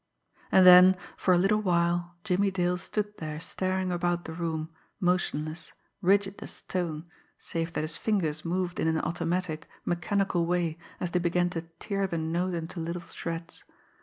And then, for a little while, Jimmie Dale stood there staring about the room, motionless, rigid as stone, save that his fingers moved in an automatic, mechanical way as they began to tear the note into little shreds.